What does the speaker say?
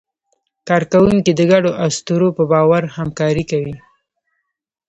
کارکوونکي د ګډو اسطورو په باور همکاري کوي.